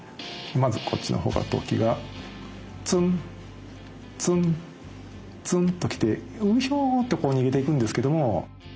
まずこっちの方から突起がツンツンツンと来てウヒョーってこう逃げていくんですけども。